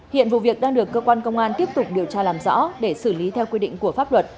hiện vụ việc đang được cơ quan công an tiếp tục điều tra làm rõ để xử lý theo quy định của pháp luật